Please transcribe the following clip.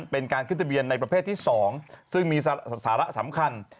เป็นการขึ้นทะเบียนในประเภทที่๒ซึ่งมีสาระสำคัญ